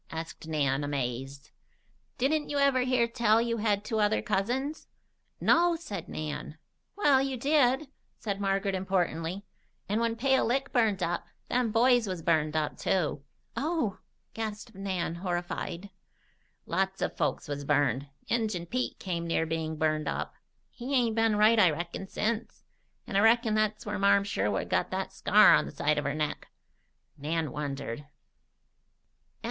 asked Nan, amazed. "Didn't you ever hear tell you had two other cousins?" "No," said Nan. "Well, you did," said Margaret importantly. "And when Pale Lick burned up, them boys was burned up, too." "Oh!" gasped Nan, horrified. "Lots of folks was burned. Injun Pete come near being burned up. He ain't been right, I reckon, since. And I reckon that's where Marm Sherwood got that scar on the side of her neck." Nan wondered. Chapter XIV.